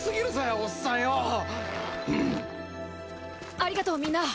ありがとうみんな。